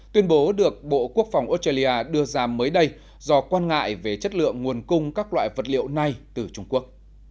tuyên bố được bộ quốc phòng australia đưa ra mới đây do quan ngại về chất lượng nguồn cung các loại vật liệu này từ trung quốc